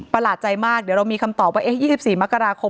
หลาดใจมากเดี๋ยวเรามีคำตอบว่า๒๔มกราคม